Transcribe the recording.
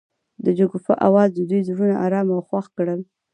د شګوفه اواز د دوی زړونه ارامه او خوښ کړل.